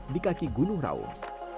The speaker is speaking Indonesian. di kaki gunung raum